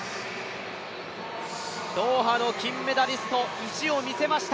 ドーハの金メダリスト、意地を見せました